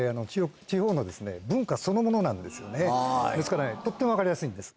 ですからねとっても分かりやすいんです。